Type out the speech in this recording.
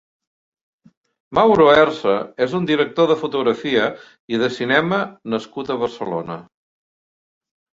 Mauro Herce és un director de fotografia i de cinema nascut a Barcelona.